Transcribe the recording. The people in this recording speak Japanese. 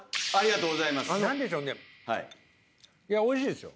いやおいしいですよ。